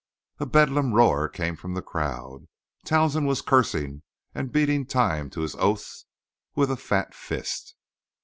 A bedlam roar came from the crowd. Townsend was cursing and beating time to his oaths with a fat fist.